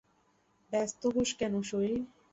ব্যস্ত হোস কেন শৈল?